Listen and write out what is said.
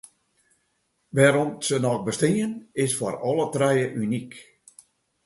Wêrom’t se noch bestean, is foar alle trije unyk.